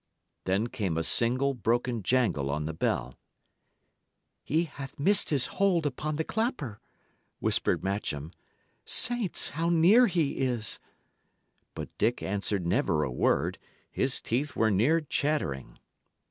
Then came a single, broken jangle on the bell. "He hath missed his hold upon the clapper," whispered Matcham. "Saints! how near he is!" But Dick answered never a word; his teeth were near chattering.